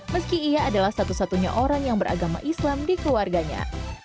meski ia adalah satu satunya orang yang beragama islam di keluarganya